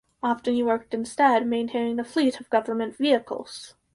Often he worked instead maintaining the fleet of government vehicles.